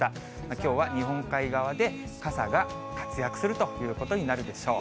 きょうは日本海側で傘が活躍するということになるでしょう。